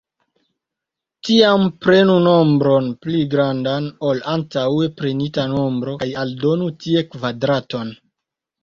Tiam, prenu nombron pli grandan ol la antaŭe prenita nombro, kaj aldonu tie kvadraton.